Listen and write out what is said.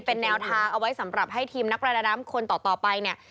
เป็นแนวทางเอาไว้สำหรับให้ทีมนักประดาน้ำคนต่อไปเนี่ย